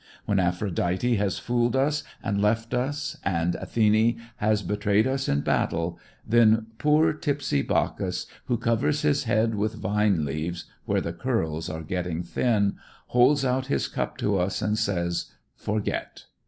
When Aphrodite has fooled us and left us and Athene has betrayed us in battle, then poor tipsy Bacchus, who covers his head with vine leaves where the curls are getting thin, holds out his cup to us and says, "forget."